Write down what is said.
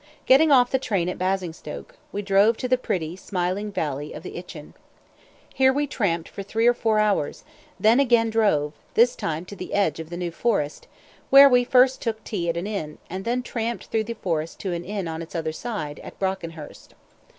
Getting off the train at Basingstoke, we drove to the pretty, smiling valley of the Itchen. Here we tramped for three or four hours, then again drove, this time to the edge of the New Forest, where we first took tea at an inn, and then tramped through the forest to an inn on its other side, at Brockenhurst.